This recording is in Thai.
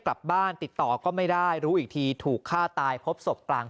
กลับบ้านติดต่อก็ไม่ได้รู้อีกทีถูกฆ่าตายพบศพกลาง